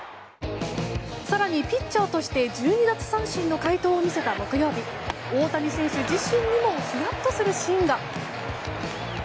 更に、ピッチャーとして１２奪三振の快投を見せた木曜日大谷選手自身にもヒヤッとするシーンが。